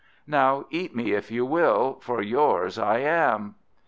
Now eat me if you will; for yours I am."